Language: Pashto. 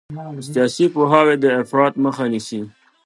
سیاسي پوهاوی د افراط مخه نیسي